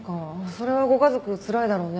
それはご家族つらいだろうね。